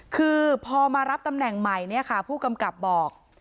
คือพอมารับตำแหน่งใหม่เนี่ยค่ะผู้กำกับบอก